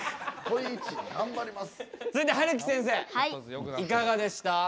続いてはるき先生いかがでした？